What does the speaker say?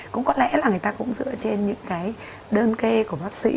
cũng có lẽ là người ta cũng dựa trên những cái đơn kê của bác sĩ